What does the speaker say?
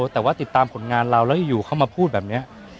แต่ว่าติดตามผลงานเราแล้วอยู่เขามาพูดแบบนี้